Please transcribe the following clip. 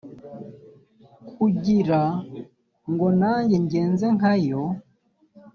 kugira ngo nanjye ngenze nka yo?»